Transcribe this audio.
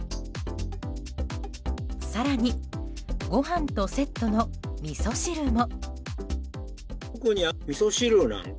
更にご飯とセットのみそ汁も。